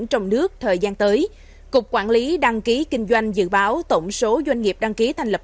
trong nước thời gian tới cục quản lý đăng ký kinh doanh dự báo tổng số doanh nghiệp đăng ký thành lập